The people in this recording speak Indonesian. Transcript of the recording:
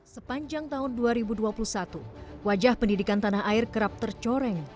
sepanjang tahun dua ribu dua puluh satu wajah pendidikan tanah air kerap tercoreng